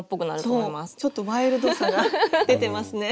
そうちょっとワイルドさが出てますね。